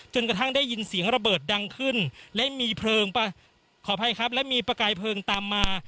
จนกระทั่งได้ยินเสียงระเบิดดังขึ้นและมีประกายเพลิงตามมา